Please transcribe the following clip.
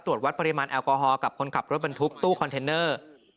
ตรวจวัดปริมาณแอลกอฮอลกับคนขับรถบรรทุกตู้คอนเทนเนอร์